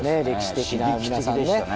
歴史的な皆さんね。